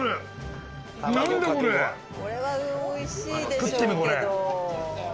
食ってみこれ。